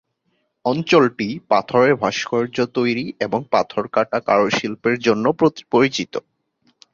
অঞ্চলটি পাথরের ভাস্কর্য তৈরি এবং পাথর কাটা কারুশিল্পের জন্য পরিচিত।